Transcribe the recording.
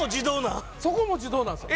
そこも自動なん？